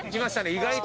意外と。